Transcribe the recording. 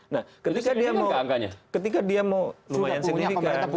nah ketika dia mau lumayan signifikan